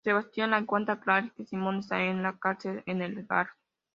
Sebastian le cuenta a Clary que Simón esta en la cárcel en "El Gard".